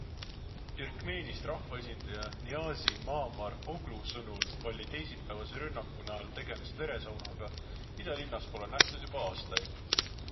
Türkmeenist rahvaesindaja Niazi Maamar Oglu sõnul oli teisipäevase rünnaku näol tegemist veresaunaga, mida linnas pole nähtud juba aastaid.